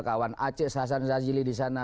kawan aceh hasan zazili di sana